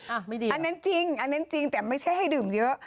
อ้าวไม่ดีเหรออันนั้นจริงแต่ไม่ใช่ให้ดื่มเยอะ